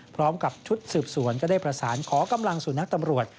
พร้อมกับชุดสืบสวนก็ได้ประสานขอกำลังสู่นักตำรวจ